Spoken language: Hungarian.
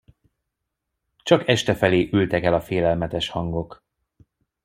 Csak estefelé ültek el a félelmetes hangok.